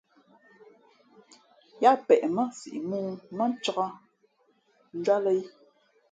Yáá peʼ mά siʼ mōō mά mᾱncāk njwíátlᾱ í.